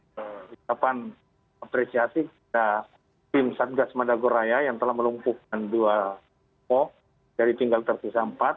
saya tim satgas madagoraya yang telah melumpuhkan dua pokok dari tinggal terpisah empat